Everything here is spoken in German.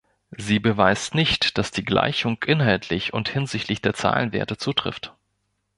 Sie beweist nicht, dass die Gleichung inhaltlich und hinsichtlich der Zahlenwerte zutrifft.